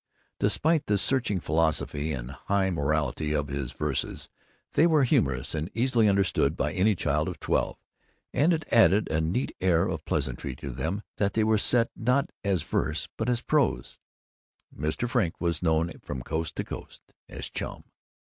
Despite the searching philosophy and high morality of his verses, they were humorous and easily understood by any child of twelve; and it added a neat air of pleasantry to them that they were set not as verse but as prose. Mr. Frink was known from Coast to Coast as "Chum."